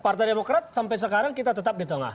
partai demokrat sampai sekarang kita tetap di tengah